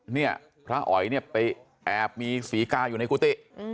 เนี่ยพระอ๋อยเนี่ยไปแอบมีศรีกาอยู่ในกุฏิ